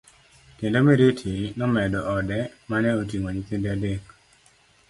Kendo Miriti nomedo ode mane oting'o nyithinde adek.